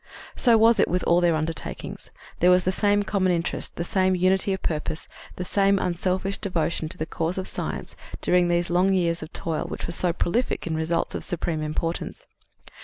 So was it with all their undertakings. There was the same common interest, the same unity of purpose, the same unselfish devotion to the cause of science during those long years of toil which were so prolific in results of supreme importance.